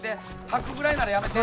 吐くぐらいならやめて。